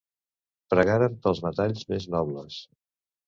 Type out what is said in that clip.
Pregaran pels metalls més nobles.